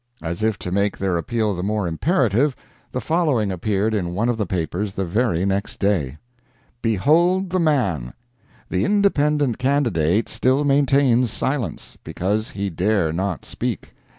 As if to make their appeal the more imperative, the following appeared in one of the papers the very next day: BEHOLD THE MAN! The independent candidate still maintains silence. Because he dare not speak.